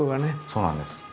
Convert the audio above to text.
そうなんです。